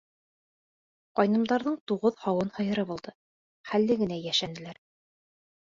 Ҡайнымдарҙың туғыҙ һауын һыйыры булды, хәлле генә йәшәнеләр.